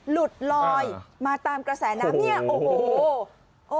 หลุดลอยมาตามกระแสน้ำเนี่ยโอ้โห